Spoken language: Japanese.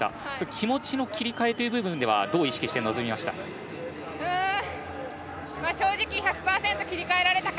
気持ちの切り替えという部分ではどう意識して臨みましたか。